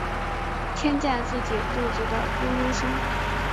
听见自己肚子的咕噜声